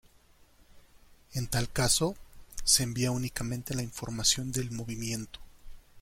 En tal caso, se envía únicamente la información del movimiento.